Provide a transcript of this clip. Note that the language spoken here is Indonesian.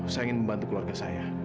saya ingin membantu keluarga saya